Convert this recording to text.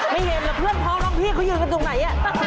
ไม่เห็นเหรอเพื่อนพร้อมน้องพี่เขายืนกันตรงไหน